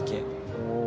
おお。